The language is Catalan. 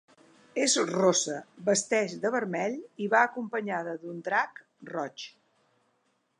És rossa, vesteix de vermell i va acompanyada d'un Drac roig